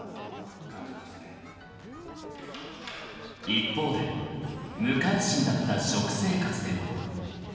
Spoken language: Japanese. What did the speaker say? ［一方で無関心だった食生活でも］